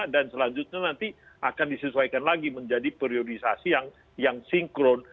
dan selanjutnya nanti akan disesuaikan lagi menjadi periodisasi yang sinkron